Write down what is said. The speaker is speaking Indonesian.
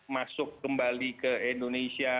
masuk kembali ke indonesia